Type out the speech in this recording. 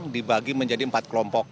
dibagi menjadi empat kelompok